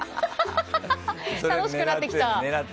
楽しくなってきた。